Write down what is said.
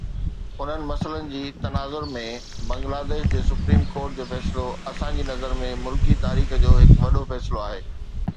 انهن مسئلن جي تناظر ۾ بنگلاديش جي سپريم ڪورٽ جو فيصلو اسان جي نظر ۾ ملڪي تاريخ جو هڪ وڏو فيصلو آهي.